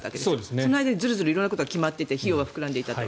その間にずるずる色んなことが決まっていて費用が膨らんでいたと。